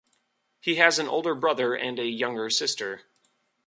He has an older brother and a younger sister.